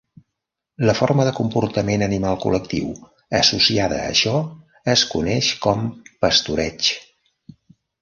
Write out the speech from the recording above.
La forma de comportament animal col·lectiu associada a això es coneix com "pastoreig".